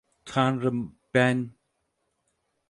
Tanrım, ben…